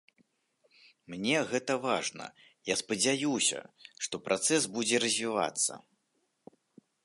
Мне гэта важна, я спадзяюся, што працэс будзе развівацца.